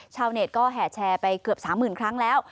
ชาวเน็ตก็แห่แชร์ไปเกือบ๓๐๐๐ครั้งแล้ว